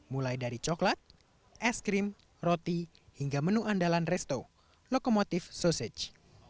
mulai dari coklat es krim roti hingga menu andalan resto lokomotif sosage